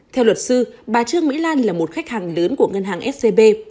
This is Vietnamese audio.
theo luật sư bà trương mỹ lan là một khách hàng lớn của ngân hàng scb